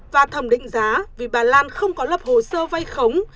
và thẩm định giá vì bà lan không có lập hồ sơ vay khống